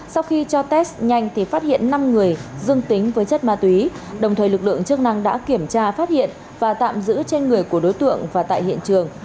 sau khi cho test nhanh thì phát hiện năm người dương tính với chất ma túy đồng thời lực lượng chức năng đã kiểm tra phát hiện và tạm giữ trên người của đối tượng và tại hiện trường